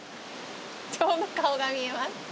ちょうど顔が見えます。